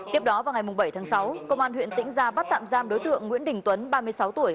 tiếp đó vào ngày bảy tháng sáu công an huyện tĩnh gia bắt tạm giam đối tượng nguyễn đình tuấn ba mươi sáu tuổi